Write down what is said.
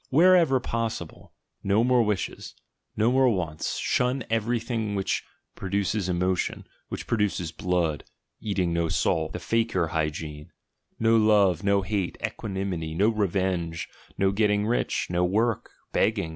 Wherever possible, no more wishes, no more wants; shun everything which produces emotion, which produces "blood" (eating no salt, the fakir hygiene); no love; no hate; equanimity; no re venge; no getting rich; no work; begging!